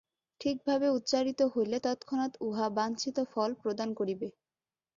ঠিকভাবে উচ্চারিত হইলে তৎক্ষণাৎ উহা বাঞ্ছিত ফল প্রদান করিবে।